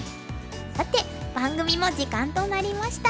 さて番組も時間となりました。